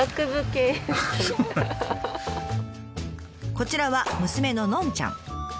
こちらは娘のノンちゃん。